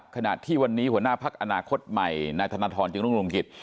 ขณะที่วันนี้หัวหน้าภาคอนาคตใหม่ณฑจึงรุงลุงกิจ